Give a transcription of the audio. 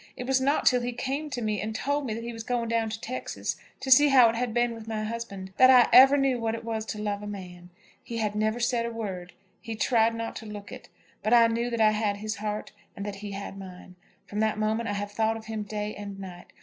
It was not till he came to me and told me that he was going down to Texas, to see how it had been with my husband, that I ever knew what it was to love a man. He had never said a word. He tried not to look it. But I knew that I had his heart and that he had mine. From that moment I have thought of him day and night.